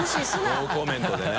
ノーコメントでね。